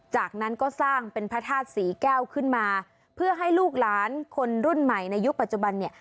จากนั้นก็สร้างเป็นพระธาตุศรีแก้วขึ้นมาเพื่อให้ลูกหลานคนรุ่นใหม่ในยุคปัจจุบันเนี่ย